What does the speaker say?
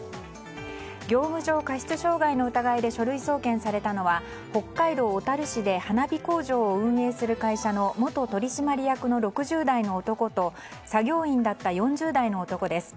業務上過失傷害の疑いで書類送検されたのは北海道小樽市で花火工場を運営する会社の元取締役の６０代の男と作業員だった４０代の男です。